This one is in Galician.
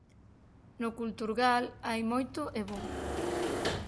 No Culturgal hai moito e bo.